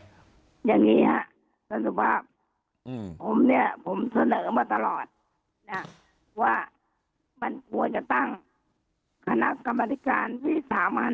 อย่างงี้ฮะท่านสุภาพอืมผมเนี้ยผมเสนอมาตลอดเนี้ยว่ามันกลัวจะตั้ง